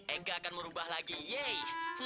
eike akan merubah lagi yeay